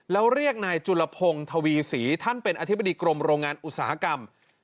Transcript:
แล้วเรียกนายจุลพงศ์ทวีศรีท่านเป็นอธิบดีกรมโรงงานอุตสาหกรรม